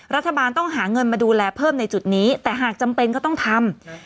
รัฐบาลต้องหาเงินมาดูแลเพิ่มในจุดนี้แต่หากจำเป็นก็ต้องทำ